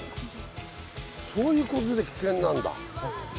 そういうことで危険なんだ。